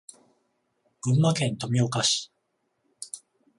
群馬県富岡市